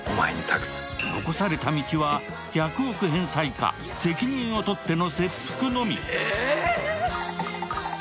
残された道は１００億返済か責任を取っての切腹のみ。